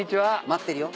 待ってるよ。